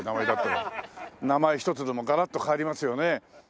名前一つでもガラッと変わりますよね。